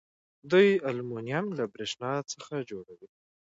دوی المونیم له بریښنا څخه جوړوي.